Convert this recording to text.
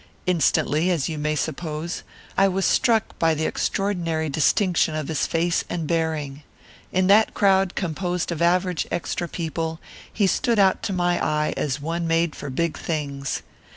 Instantly, as you may suppose, I was struck by the extraordinary distinction of his face and bearing. In that crowd composed of average extra people he stood out to my eye as one made for big things.